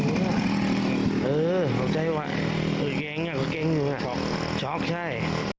เออเอาใจไว้โอ้เกรงอ่ะเกรงอยู่อ่ะช็อคใช่